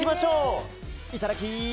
いただき！